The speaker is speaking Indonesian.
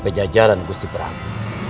pejajaran gusti prabu